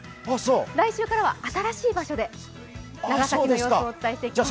来週からは新しい場所で長崎の様子をお伝えしていきます。